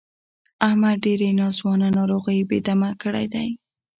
احمد ډېرې ناځوانه ناروغۍ بې دمه کړی دی.